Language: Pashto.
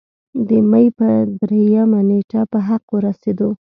د مۍ پۀ دريمه نېټه پۀ حق اورسېدو